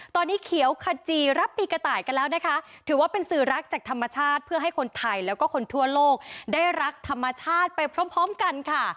ตอนนี้เขียวขจีรับปีกระต่ายกันแล้วนะคะถือว่าเป็นสื่อรักจากธรรมชาติเพื่อให้คนไทยแล้วก็คนทั่วโลกได้รักธรรมชาติไปพร้อมพร้อมกันค่ะ